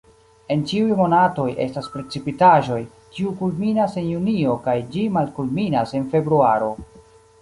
En ĉiuj monatoj estas precipitaĵoj, kiu kulminas en junio kaj ĝi malkulminas en februaro.